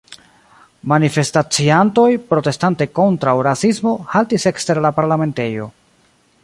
Manifestaciantoj, protestante kontraŭ rasismo, haltis ekster la parlamentejo.